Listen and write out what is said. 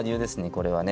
これはね。